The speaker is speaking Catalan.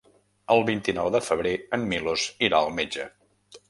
El vint-i-nou de febrer en Milos irà al metge.